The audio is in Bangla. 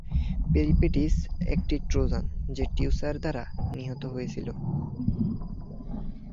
পেরিফেটিস, একটি ট্রোজান যে টিউসার দ্বারা নিহত হয়েছিল।